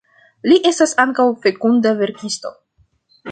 Li estas ankaŭ fekunda verkisto.